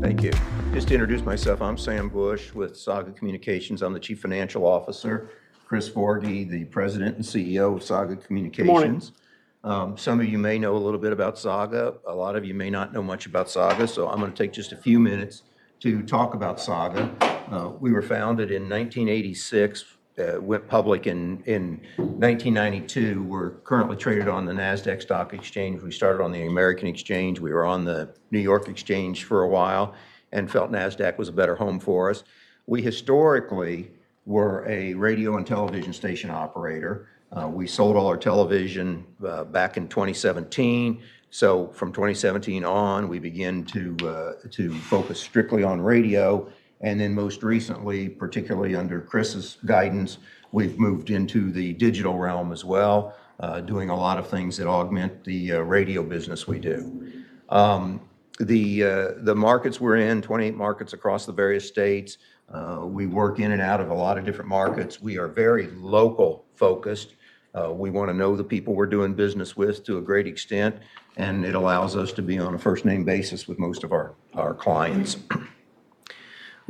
Thank you. Just to introduce myself, I'm Sam Bush with Saga Communications. I'm the Chief Financial Officer, Chris Forgy, the President and CEO of Saga Communications. Morning Some of you may know a little bit about Saga. A lot of you may not know much about Saga, so I'm going to take just a few minutes to talk about Saga. We were founded in 1986, went public in 1992. We're currently traded on the Nasdaq Stock Exchange. We started on the American Exchange. We were on the New York Exchange for a while and felt Nasdaq was a better home for us. We historically were a radio and television station operator. We sold all our television back in 2017. So from 2017 on, we began to focus strictly on radio, and then most recently, particularly under Chris's guidance, we've moved into the digital realm as well, doing a lot of things that augment the radio business we do. The markets we're in, 28 markets across the various states. We work in and out of a lot of different markets. We are very local focused. We want to know the people we're doing business with to a great extent, and it allows us to be on a first-name basis with most of our clients.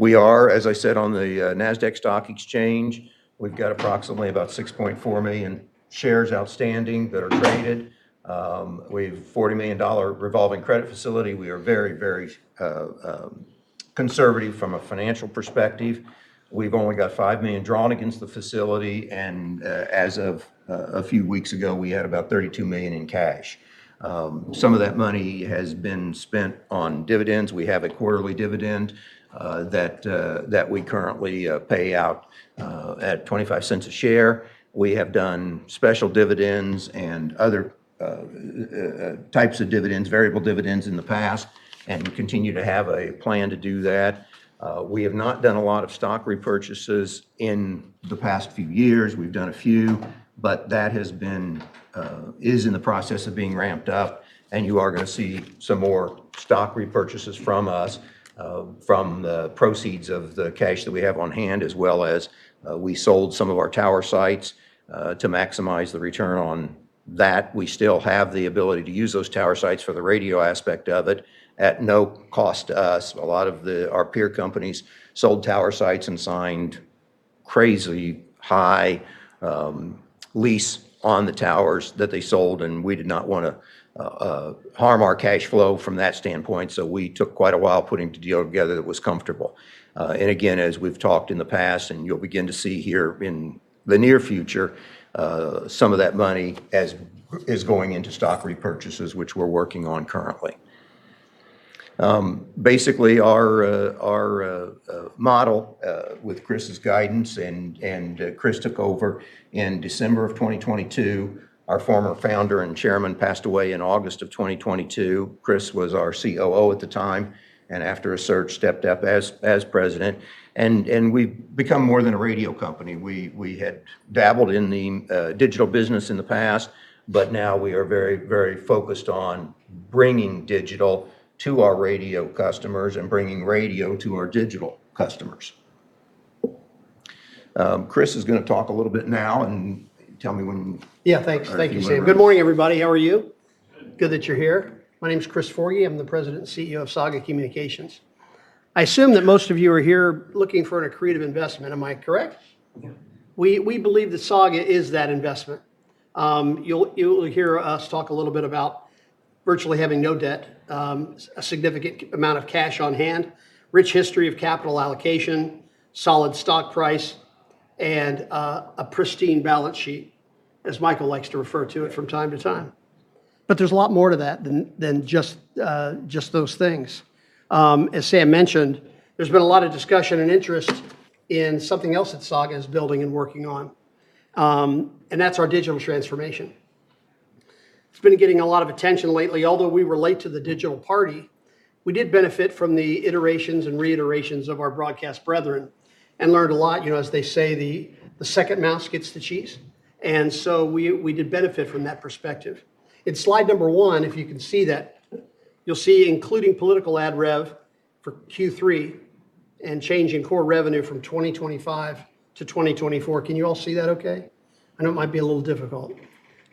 We are, as I said, on the Nasdaq Stock Exchange. We've got approximately about 6.4 million shares outstanding that are traded. We have a $40 million revolving credit facility. We are very, very conservative from a financial perspective. We've only got $5 million drawn against the facility, and as of a few weeks ago, we had about $32 million in cash. Some of that money has been spent on dividends. We have a quarterly dividend that we currently pay out at $0.25 a share. We have done special dividends and other types of dividends, variable dividends in the past, and continue to have a plan to do that. We have not done a lot of stock repurchases in the past few years. We've done a few, but that is in the process of being ramped up. And you are going to see some more stock repurchases from us from the proceeds of the cash that we have on hand, as well as we sold some of our tower sites to maximize the return on that. We still have the ability to use those tower sites for the radio aspect of it at no cost to us. A lot of our peer companies sold tower sites and signed crazy high lease on the towers that they sold. And we did not want to harm our cash flow from that standpoint. So we took quite a while putting the deal together that was comfortable. And again, as we've talked in the past, and you'll begin to see here in the near future, some of that money is going into stock repurchases, which we're working on currently. Basically, our model with Chris's guidance, and Chris took over in December of 2022. Our former founder and chairman passed away in August of 2022. Chris was our COO at the time, and after a search, stepped up as President. And we've become more than a radio company. We had dabbled in the digital business in the past, but now we are very, very focused on bringing digital to our radio customers and bringing radio to our digital customers. Chris is going to talk a little bit now and tell me when. Yeah, thanks. Thank you, Sam. Good morning, everybody. How are you? Good. Good that you're here. My name is Chris Forgy. I'm the President and CEO of Saga Communications. I assume that most of you are here looking for a creative investment. Am I correct? Yeah. We believe that Saga is that investment. You'll hear us talk a little bit about virtually having no debt, a significant amount of cash on hand, a rich history of capital allocation, a solid stock price, and a pristine balance sheet, as Michael likes to refer to it from time to time. But there's a lot more to that than just those things. As Sam mentioned, there's been a lot of discussion and interest in something else that Saga is building and working on, and that's our digital transformation. It's been getting a lot of attention lately. Although we were late to the digital party, we did benefit from the iterations and reiterations of our broadcast brethren and learned a lot. As they say, the second mouse gets the cheese. And so we did benefit from that perspective. In slide number one, if you can see that, you'll see including political ad rev for Q3 and change in core revenue from 2025-2024. Can you all see that okay? I know it might be a little difficult.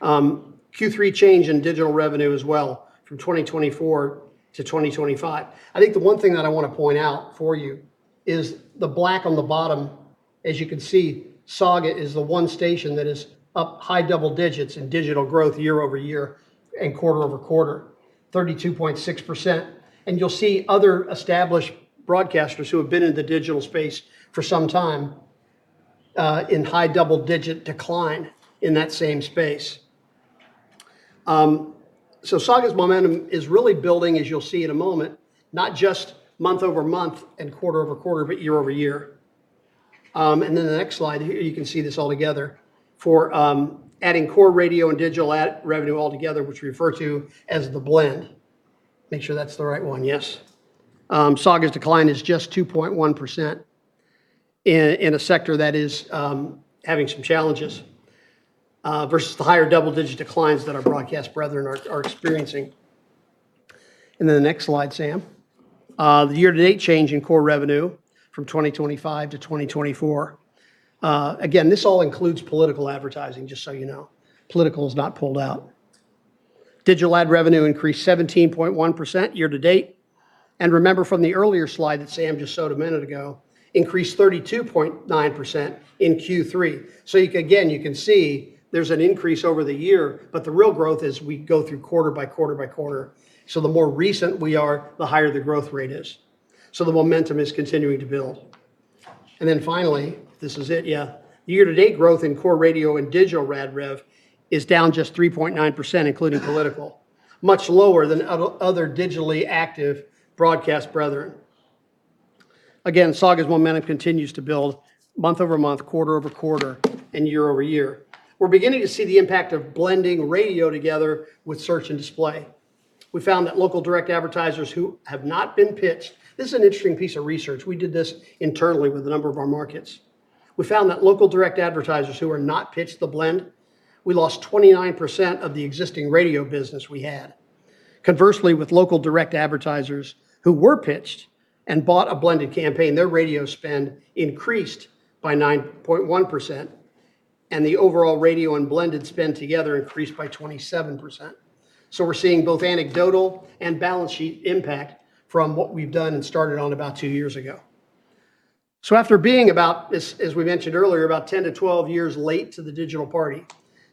Q3 change in digital revenue as well from 2024-2025. I think the one thing that I want to point out for you is the black on the bottom. As you can see, Saga is the one station that is up high double digits in digital growth year over year and quarter over quarter, 32.6%. And you'll see other established broadcasters who have been in the digital space for some time in high double-digit decline in that same space. So Saga's momentum is really building, as you'll see in a moment, not just month over month and quarter over quarter, but year over year. Then the next slide here, you can see this all together for adding core radio and digital revenue altogether, which we refer to as the blend. Make sure that's the right one. Yes. Saga's decline is just 2.1% in a sector that is having some challenges versus the higher double-digit declines that our broadcast brethren are experiencing. Then the next slide, Sam. The year-to-date change in core revenue from 2025-2024. Again, this all includes political advertising, just so you know. Political is not pulled out. Digital ad revenue increased 17.1% year-to-date. Remember from the earlier slide that Sam just showed a minute ago, increased 32.9% in Q3. Again, you can see there's an increase over the year, but the real growth is we go through quarter by quarter by quarter. The more recent we are, the higher the growth rate is. So the momentum is continuing to build. And then finally, this is it, yeah. Year-to-date growth in core radio and digital ad rev is down just 3.9%, including political, much lower than other digitally active broadcast brethren. Again, Saga's momentum continues to build month over month, quarter over quarter, and year over year. We're beginning to see the impact of blending radio together with search and display. We found that local direct advertisers who have not been pitched, this is an interesting piece of research. We did this internally with a number of our markets. We found that local direct advertisers who are not pitched the blend, we lost 29% of the existing radio business we had. Conversely, with local direct advertisers who were pitched and bought a blended campaign, their radio spend increased by 9.1%, and the overall radio and blended spend together increased by 27%. So we're seeing both anecdotal and balance sheet impact from what we've done and started on about two years ago. So after being about, as we mentioned earlier, about 10-12 years late to the digital party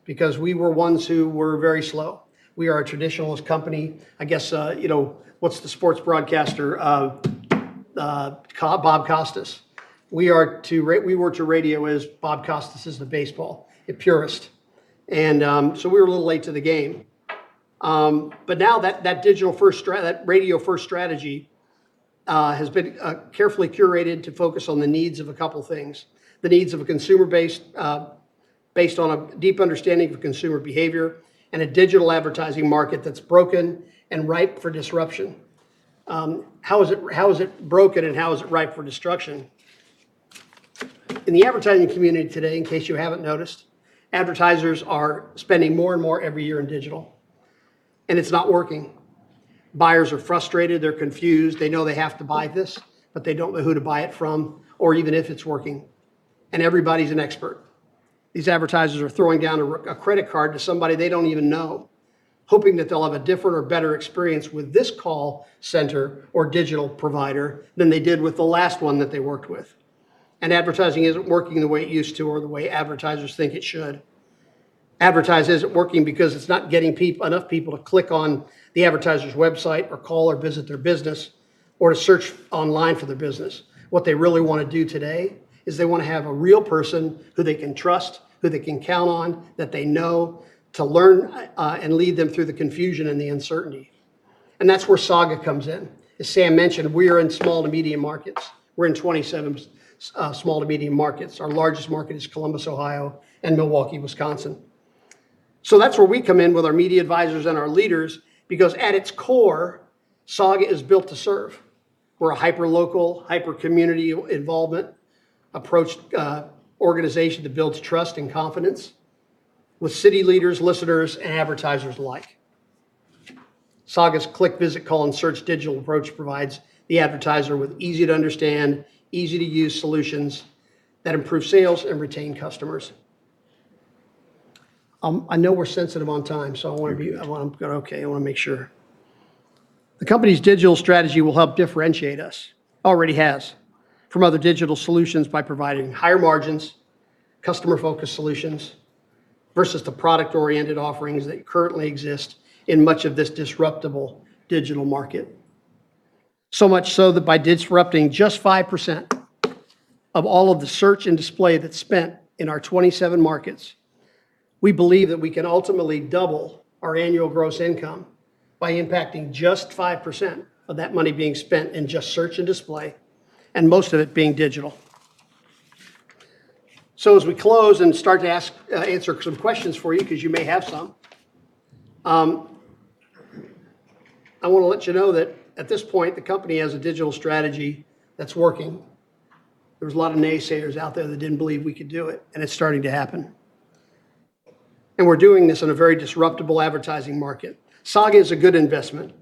because we were ones who were very slow. We are a traditionalist company. I guess what's the sports broadcaster? Bob Costas. We were to radio as Bob Costas is the baseball, the purist. And so we were a little late to the game. But now that radio first strategy has been carefully curated to focus on the needs of a couple of things: the needs of a consumer based on a deep understanding of consumer behavior and a digital advertising market that's broken and ripe for disruption. How is it broken and how is it ripe for disruption? In the advertising community today, in case you haven't noticed, advertisers are spending more and more every year in digital, and it's not working. Buyers are frustrated. They're confused. They know they have to buy this, but they don't know who to buy it from or even if it's working, and everybody's an expert. These advertisers are throwing down a credit card to somebody they don't even know, hoping that they'll have a different or better experience with this call center or digital provider than they did with the last one that they worked with, and advertising isn't working the way it used to or the way advertisers think it should. Advertising isn't working because it's not getting enough people to click on the advertiser's website or call or visit their business or to search online for their business. What they really want to do today is they want to have a real person who they can trust, who they can count on, that they know to learn and lead them through the confusion and the uncertainty, and that's where Saga comes in. As Sam mentioned, we are in small to medium markets. We're in 27 small to medium markets. Our largest market is Columbus, Ohio, and Milwaukee, Wisconsin. That's where we come in with our media advisors and our leaders because at its core, Saga is built to serve. We're a hyper-local, hyper-community-involvement approach organization to build trust and confidence with city leaders, listeners, and advertisers alike. Saga's click, visit, call, and search digital approach provides the advertiser with easy-to-understand, easy-to-use solutions that improve sales and retain customers. I know we're sensitive on time, so I want to be okay. I want to make sure. The company's digital strategy will help differentiate us, already has, from other digital solutions by providing higher margins, customer-focused solutions versus the product-oriented offerings that currently exist in much of this disruptible digital market, so much so that by disrupting just 5% of all of the search and display that's spent in our 27 markets, we believe that we can ultimately double our annual gross income by impacting just 5% of that money being spent in just search and display, and most of it being digital, so as we close and start to answer some questions for you because you may have some, I want to let you know that at this point, the company has a digital strategy that's working. There's a lot of naysayers out there that didn't believe we could do it, and it's starting to happen, and we're doing this in a very disruptible advertising market. Saga is a good investment,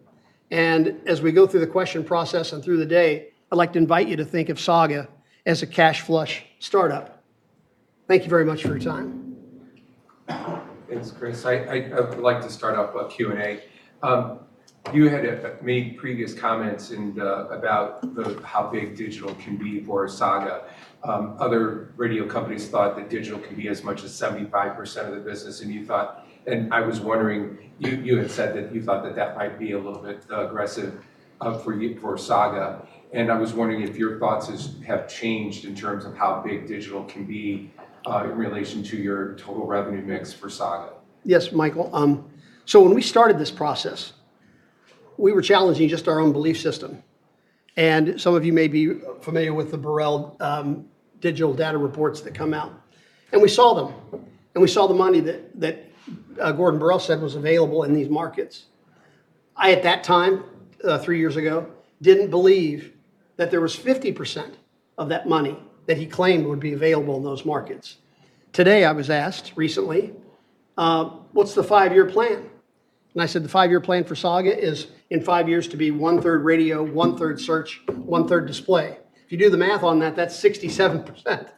and as we go through the question process and through the day, I'd like to invite you to think of Saga as a cash flush startup. Thank you very much for your time. Thanks, Chris. I would like to start off with Q&A. You had made previous comments about how big digital can be for Saga. Other radio companies thought that digital can be as much as 75% of the business. And I was wondering, you had said that you thought that that might be a little bit aggressive for Saga. And I was wondering if your thoughts have changed in terms of how big digital can be in relation to your total revenue mix for Saga. Yes, Michael. So when we started this process, we were challenging just our own belief system. And some of you may be familiar with the Borrell digital data reports that come out. And we saw them. And we saw the money that Gordon Borrell said was available in these markets. I, at that time, three years ago, didn't believe that there was 50% of that money that he claimed would be available in those markets. Today, I was asked recently, "What's the five-year plan?" And I said, "The five-year plan for Saga is in five years to be one-third radio, one-third search, one-third display." If you do the math on that, that's 67%.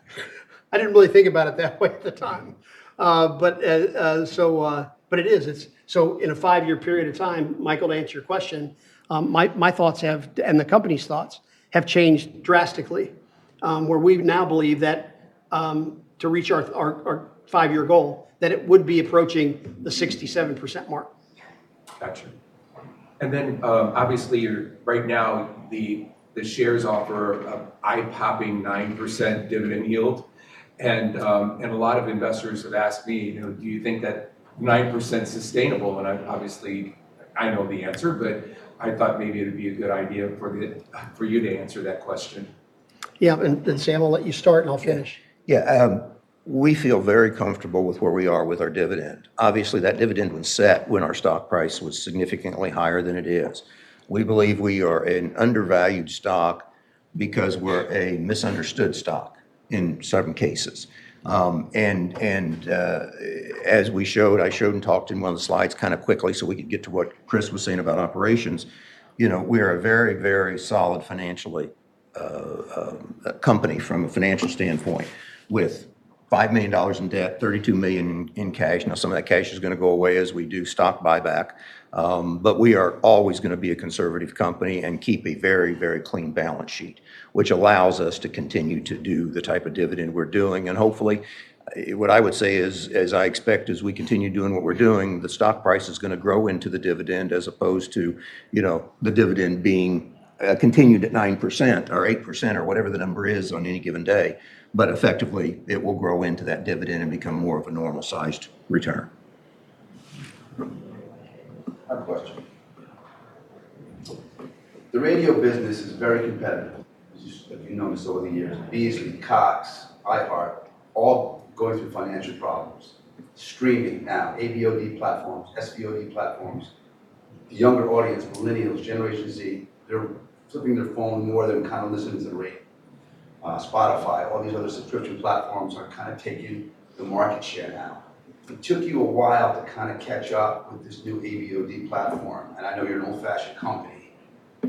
I didn't really think about it that way at the time. But it is. So in a five-year period of time, Michael, to answer your question, my thoughts and the company's thoughts have changed drastically, where we now believe that to reach our five-year goal, that it would be approaching the 67% mark. Gotcha. And then obviously, right now, the shares offer an eye-popping 9% dividend yield. And a lot of investors have asked me, "Do you think that 9% is sustainable?" And obviously, I know the answer, but I thought maybe it would be a good idea for you to answer that question. Yeah, and Sam, I'll let you start, and I'll finish. Yeah. We feel very comfortable with where we are with our dividend. Obviously, that dividend was set when our stock price was significantly higher than it is. We believe we are an undervalued stock because we're a misunderstood stock in certain cases, and as we showed, I showed and talked in one of the slides kind of quickly so we could get to what Chris was saying about operations. We are a very, very solid financially company from a financial standpoint with $5 million in debt, $32 million in cash. Now, some of that cash is going to go away as we do stock buyback. But we are always going to be a conservative company and keep a very, very clean balance sheet, which allows us to continue to do the type of dividend we're doing. And hopefully, what I would say is, as I expect, as we continue doing what we're doing, the stock price is going to grow into the dividend as opposed to the dividend being continued at 9% or 8% or whatever the number is on any given day. But effectively, it will grow into that dividend and become more of a normal-sized return. Quick question. The radio business is very competitive. As you've noticed over the years, Beasley, Cox, iHeart, all going through financial problems. Streaming now, AVOD platforms, SVOD platforms. The younger audience, millennials, Generation Z, they're flipping their phone more than kind of listening to the radio. Spotify, all these other subscription platforms are kind of taking the market share now. It took you a while to kind of catch up with this new AVOD platform. And I know you're an old-fashioned company,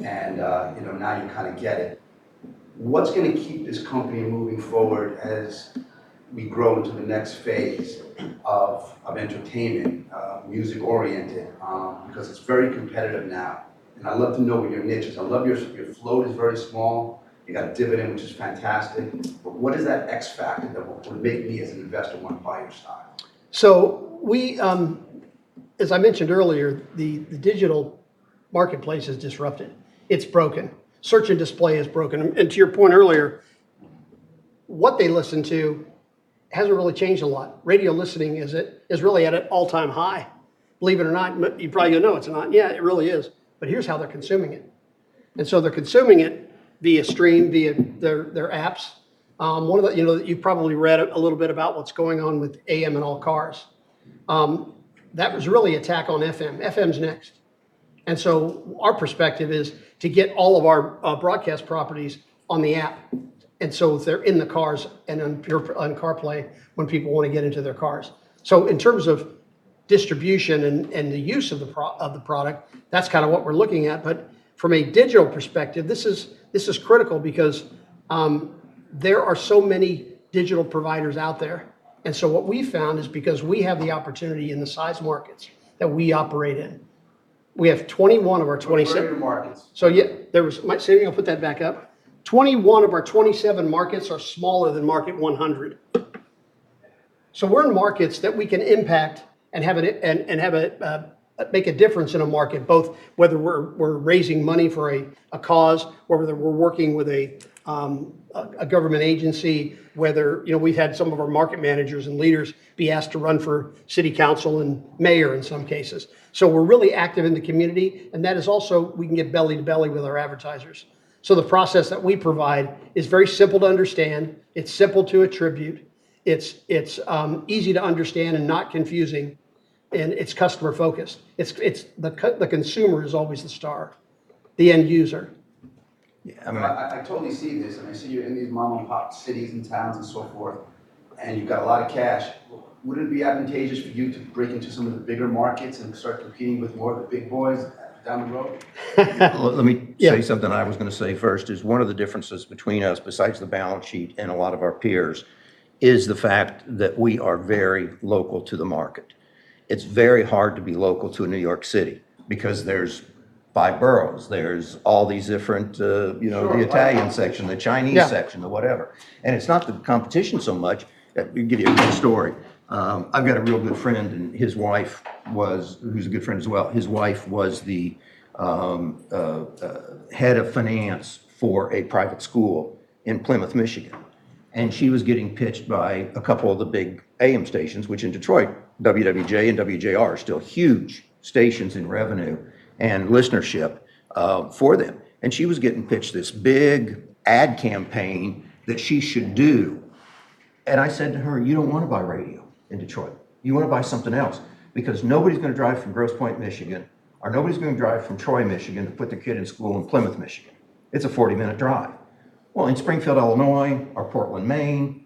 and now you kind of get it. What's going to keep this company moving forward as we grow into the next phase of entertainment, music-oriented? Because it's very competitive now. And I'd love to know what your niche is. I love your float is very small. You got a dividend, which is fantastic. But what is that X factor that would make me, as an investor, want to buy your stock? So as I mentioned earlier, the digital marketplace is disrupted. It's broken. Search and display is broken. And to your point earlier, what they listen to hasn't really changed a lot. Radio listening is really at an all-time high. Believe it or not, you probably don't know it's not. Yeah, it really is. But here's how they're consuming it. And so they're consuming it via stream, via their apps. One of the—you've probably read a little bit about what's going on with AM in all cars. That was really an attack on FM. FM's next. And so our perspective is to get all of our broadcast properties on the app. And so they're in the cars and on CarPlay when people want to get into their cars. So in terms of distribution and the use of the product, that's kind of what we're looking at. But from a digital perspective, this is critical because there are so many digital providers out there, and so what we found is, because we have the opportunity in the size markets that we operate in, we have 21 of our 27. 21 of your markets. So yeah, Sam, I'll put that back up. 21 of our 27 markets are smaller than market 100. We're in markets that we can impact and make a difference in a market, both whether we're raising money for a cause, whether we're working with a government agency, whether we've had some of our market managers and leaders be asked to run for city council and mayor in some cases. We're really active in the community. That also lets us get belly to belly with our advertisers. The process that we provide is very simple to understand. It's simple to attribute. It's easy to understand and not confusing. It's customer-focused. The consumer is always the star, the end user. I totally see this. And I see you in these mom-and-pop cities and towns and so forth. And you've got a lot of cash. Wouldn't it be advantageous for you to break into some of the bigger markets and start competing with more of the big boys down the road? Let me say something I was going to say first is one of the differences between us, besides the balance sheet and a lot of our peers, is the fact that we are very local to the market. It's very hard to be local to New York City because there are five boroughs. There's all these different, the Italian section, the Chinese section, the whatever. And it's not the competition so much. I'll give you a quick story. I've got a real good friend, and his wife—who's a good friend as well—was the head of finance for a private school in Plymouth, Michigan. And she was getting pitched by a couple of the big AM stations, which in Detroit, WWJ and WJR are still huge stations in revenue and listenership for them. And she was getting pitched this big ad campaign that she should do. And I said to her, "You don't want to buy radio in Detroit. You want to buy something else because nobody's going to drive from Grosse Pointe, Michigan, or nobody's going to drive from Troy, Michigan, to put the kid in school in Plymouth, Michigan. It's a 40-minute drive." Well, in Springfield, Illinois, or Portland, Maine,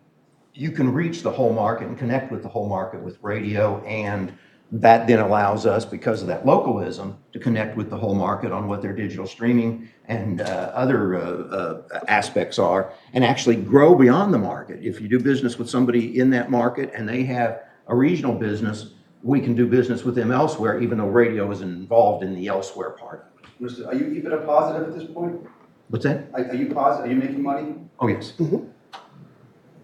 you can reach the whole market and connect with the whole market with radio. And that then allows us, because of that localism, to connect with the whole market on what their digital streaming and other aspects are and actually grow beyond the market. If you do business with somebody in that market and they have a regional business, we can do business with them elsewhere, even though radio isn't involved in the elsewhere part of it. Are you even a positive at this point? What's that? Are you making money? Oh, yes.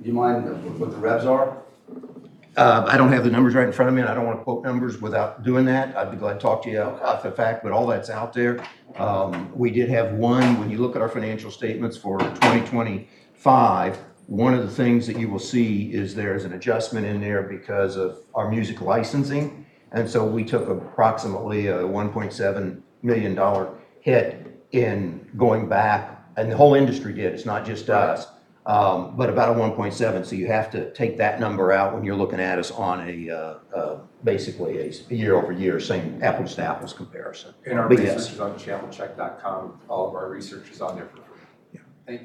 Do you mind what the revs are? I don't have the numbers right in front of me, and I don't want to quote numbers without doing that. I'd be glad to talk to you off the record, but all that's out there. We did have one. When you look at our financial statements for 2025, one of the things that you will see is there is an adjustment in there because of our music licensing. And so we took approximately a $1.7 million hit in going back. And the whole industry did. It's not just us, but about a $1.7 million. So you have to take that number out when you're looking at us on basically a year-over-year same apples-to-apples comparison. Our business is on Channelcheck.com. All of our research is on there for free. Yeah.